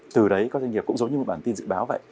từ đấy các doanh nghiệp cũng giống như một bản tin dự báo vậy